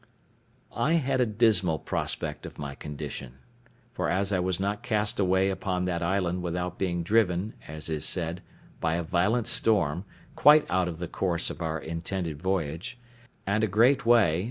I had a dismal prospect of my condition; for as I was not cast away upon that island without being driven, as is said, by a violent storm, quite out of the course of our intended voyage, and a great way, viz.